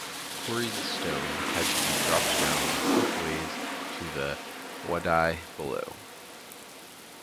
Quarried stone had to be dropped down slipways to the "wadi" below.